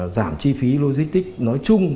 giảm chi phí logistic nói chung